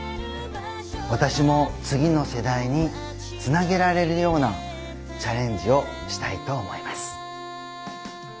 私も次の世代につなげられるようなチャレンジをしたいと思います。